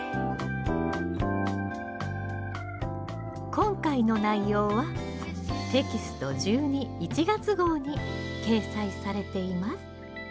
今回の内容はテキスト１２・１月号に掲載されています。